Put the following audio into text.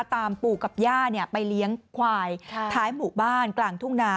ปู่กับย่าไปเลี้ยงควายท้ายหมู่บ้านกลางทุ่งนา